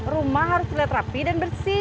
rumah harus terlihat rapi dan bersih